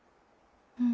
うん。